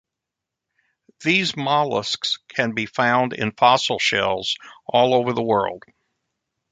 These molluscs can be found in fossil shells all over the world.